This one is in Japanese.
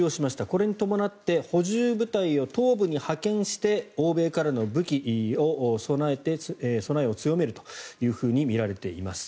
これに伴って補充部隊を東部に派遣して欧米からの武器など備えを強めるとみられています。